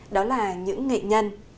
đó là những nghệ nhân